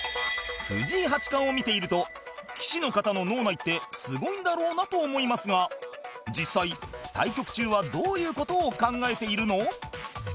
藤井八冠を見ていると棋士の方の脳内ってすごいんだろうなと思いますが実際対局中はどういう事を考えているの？